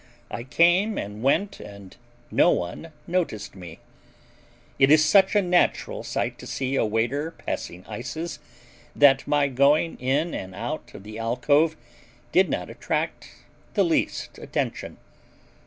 I came and went and no one noticed me. It is such a natural sight to see a waiter passing ices that my going in and out of the alcove did not attract the least attention.